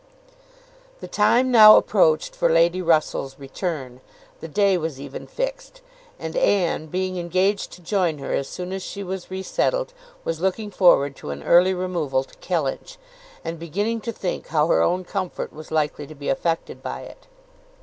The time now approached for Lady Russell's return: the day was even fixed; and Anne, being engaged to join her as soon as she was resettled, was looking forward to an early removal to Kellynch, and beginning to think how her own comfort was likely to be affected by it.